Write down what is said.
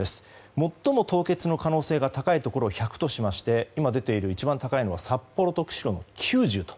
最も凍結の可能性が高いところを１００としまして今、出ている一番高いのは札幌と釧路の９０と。